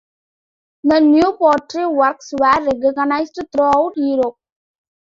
The new pottery works were recognized throughout Europe.